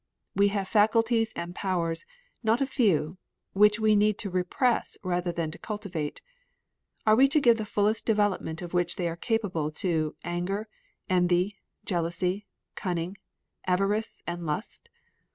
We have faculties and powers, not a few, which we need to repress rather than to cultivate. Are we to give the fullest development of which they are capable, to anger, envy, jealousy, cunning, avarice, and lust?